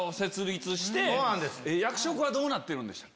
役職はどうなってるんでしたっけ？